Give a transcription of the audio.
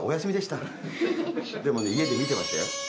でも家で見てましたよ。